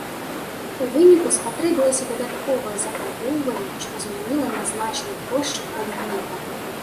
У выніку спатрэбілася дадатковае зафарбоўванне, што змяніла на значнай плошчы колер неба.